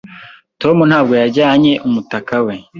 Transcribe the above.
Tom ntabwo yajyanye umutaka we.